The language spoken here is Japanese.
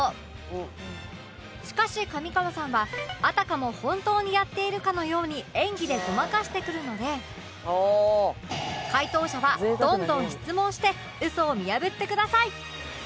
しかし上川さんはあたかも本当にやっているかのように演技でごまかしてくるので解答者はどんどん質問して嘘を見破ってください！